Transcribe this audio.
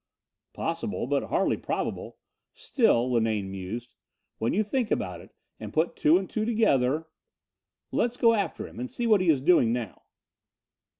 "Possible, but hardly probable. Still," Linane mused, "when you think about it, and put two and two together.... Let's go after him and see what he is doing now."